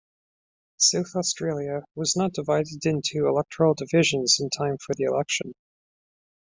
South Australia was not divided into electoral divisions in time for the election.